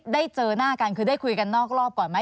เจอหน้ากันคือได้คุยกันนอกรอบก่อนไหม